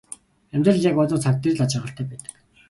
Амьдрал яг одоо цаг дээр л аз жаргалтай байдаг.